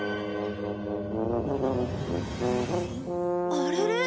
あれれ？